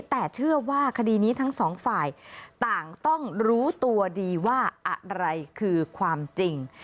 แต่เชื่อว่าคดีนี้ทั้งสองฝ่ายต่างต้องรู้ตัวดีว่าอะไรคือความจริง